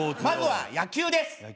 まずは野球です。